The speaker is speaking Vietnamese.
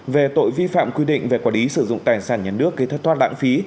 về tội vi phạm quy định về quản lý sử dụng tài sản nhà nước gây thất thoát lãng phí